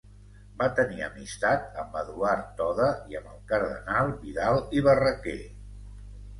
Va tenir amistat amb Eduard Toda i amb el cardenal Vidal i Barraquer.